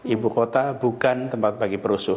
ibu kota bukan tempat bagi perusuh